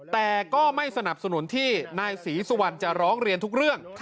แต่ก็ไม่สนับสนุนที่นายศรีสุวรรณจะร้องเรียนทุกเรื่อง